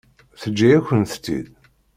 Teǧǧa-yakent-tt-id?